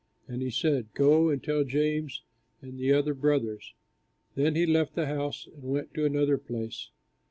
And he said, "Go and tell James and the other brothers." Then he left the house and went to another place.